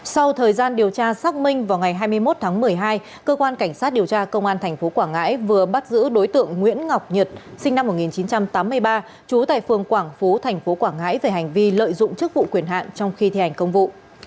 sau thời gian điều tra xác minh vào ngày hai mươi một tháng một mươi hai cơ quan cảnh sát điều tra công an tp quảng ngãi vừa bắt giữ đối tượng nguyễn ngọc nhật sinh năm một nghìn chín trăm tám mươi ba trú tại phường quảng phú tp quảng ngãi về hành vi lợi dụng chức vụ quyền hạn trong khi thi hành công vụ